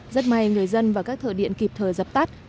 rất may người dân và các thợ điện kịp thời dập tắt